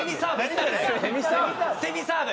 セミサーブ？